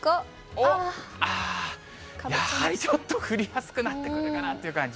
あー、やはりちょっと降りやすくなってくるかなという感じ。